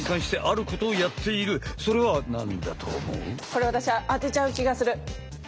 これ私当てちゃう気がする。